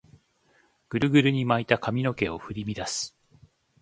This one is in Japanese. グルグルに巻いた髪の毛を振り乱す